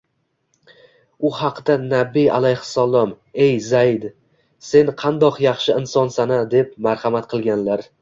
U haqda Nabiy alayhissalom: “Ey Zayd, sen qandoq yaxshi insonsan-a?!” deb marhamat qilganlar